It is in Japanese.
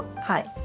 はい。